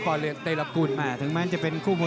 พอเรียนเต้นละกุล